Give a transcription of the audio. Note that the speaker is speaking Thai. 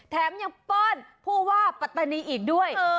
แถมยังป้อนผู้ว่าปัตตานีอีกด้วย